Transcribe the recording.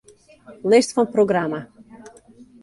List fan programma.